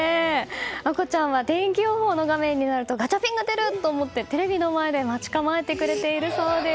愛心ちゃんは天気予報の画面になるとガチャピンが出る！と思ってテレビの前で待ち構えてくれているそうです。